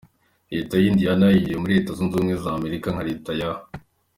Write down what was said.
Leta ya Indiana yinjiye muri Leta zunze ubumwe za Amerika nka leta ya .